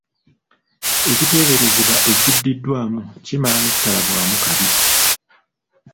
Ekiteeberezebwa ekiddiddwamu kimala ne kitalabwamu kabi.